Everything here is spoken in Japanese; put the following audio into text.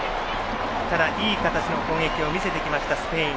ただ、いい形での攻撃を見せてきたスペイン。